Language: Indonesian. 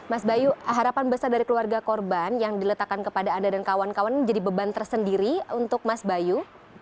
mas bayu harapan besar dari keluarga korban yang diletakkan kepada anda dan kawan kawan ini jadi beban tersendiri untuk mas bayu